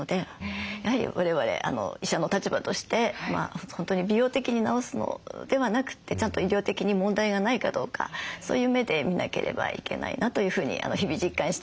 やはりわれわれ医者の立場として本当に美容的に治すのではなくてちゃんと医療的に問題がないかどうかそういう目で見なければいけないなというふうに日々実感しております。